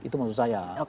itu maksud saya